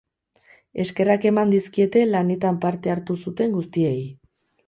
Eskerrak eman dizkiete lanetan parte hartu zuten guztiei.